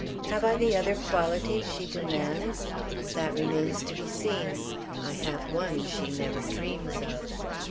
Have I the other qualities she demands? That remains to be seen. I have one she never dreams of.